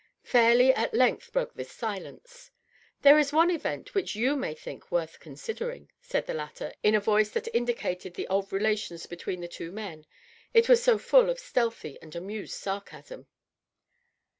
Fairleigh at length broke this silence. " There is one event which you may think worth considering," said the latter, in a voice that indicated the old relations between the two men, it was so full of stealthy and amused sarcasm.